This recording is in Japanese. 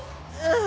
ああ。